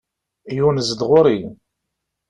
Yunez-d ɣur-i.